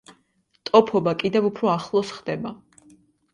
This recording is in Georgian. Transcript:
ტოფობა კიდევ უფრო ახლოს ხდება.